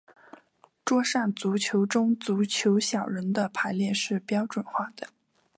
桌上足球中足球小人的排列是标准化的。